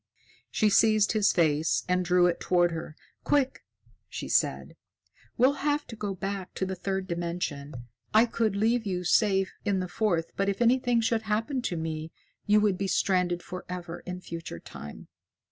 She seized his face and drew it toward her. "Quick!" she said. "We'll have to go back to the third dimension. I could leave you safe in the fourth, but if anything should happen to me, you would be stranded forever in future time."